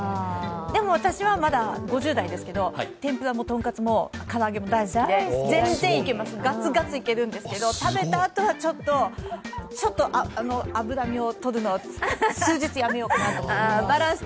でも、私はまだ５０代ですけど、天ぷらもとんかつも唐揚げも大好きで、全然いけます、ガツガツいけるんですけど食べたあとはちょっとちょっと脂身をとるのは数日やめようかなと思います。